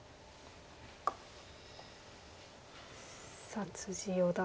さあ四段